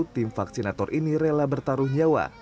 tim vaksinator ini rela bertaruh nyawa